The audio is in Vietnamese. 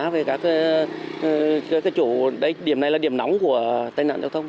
và các chủ điểm này là điểm nóng của tai nạn giao thông